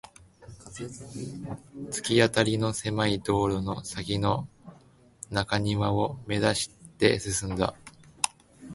突き当たりの狭い通路の先の中庭を目指して進んだ